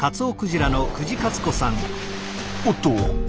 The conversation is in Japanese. おっと！